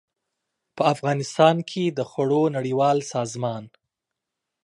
په افغانستان کې د خوړو نړیوال سازمان